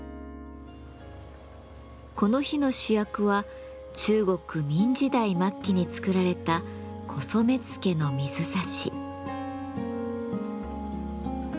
この日の主役は中国明時代末期に作られた古染付の水指。